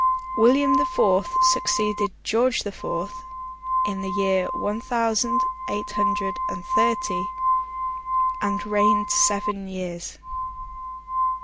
William the Fourth succeeded George the Fourth, in the year one thousand eight hundred and thirty, and reigned seven years.